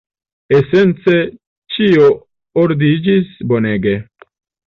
Esence, ĉio ordiĝis bonege.